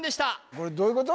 これどういうこと？